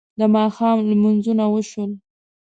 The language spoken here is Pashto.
د ماښام لمونځونه وشول.